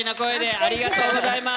ありがとうございます。